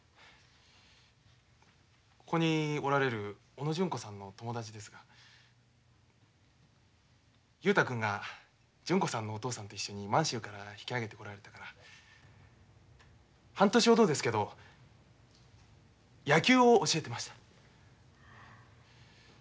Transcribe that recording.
ここにおられる小野純子さんの友達ですが雄太君が純子さんのお父さんと一緒に満州から引き揚げてこられてから半年ほどですけど野球を教えてました。